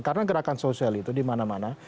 karena gerakan sosial itu dimana mana